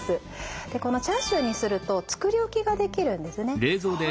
でこのチャーシューにすると作り置きができるんですね。